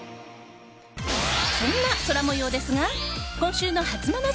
そんな空模様ですが今週のハツモノ